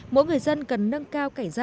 mỗi người dân cần nâng cao cảnh giác